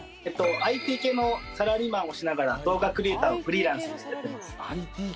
ＩＴ系のサラリーマンをしながら動画クリエイターをフリーランスとしてやってます。